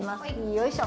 よいしょ